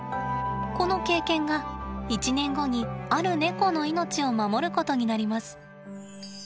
この経験が１年後にあるネコの命を守ることになります。